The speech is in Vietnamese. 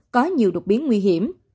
có nhiều đột biến nguy hiểm